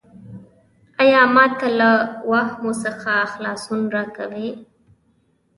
ایا ما ته له واهمو څخه خلاصون راکوې؟